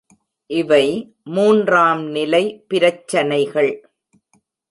இவை மூன்றாம்நிலை பிரச்சனைகள்.